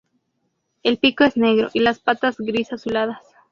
El pico es negro, y las patas gris-azuladas.